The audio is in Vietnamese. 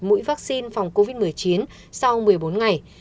mũi vaccine phòng covid một mươi chín sau một mươi bốn ngày